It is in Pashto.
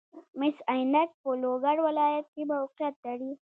مس عینک په لوګر ولایت کې موقعیت لري